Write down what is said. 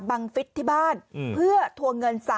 บังฤทธิ์ที่บ้านเพื่อถั่วเงิน